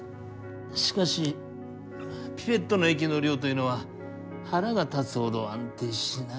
しかしピペットの液の量というのは腹が立つほど安定しない。